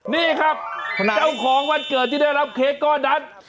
นี่ครับเจ้าของวันเกิดที่ได้รับเค้กก้อนนั้น